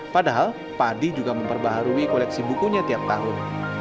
padahal padi juga memperbaharui koleksi bukunya tiap tahun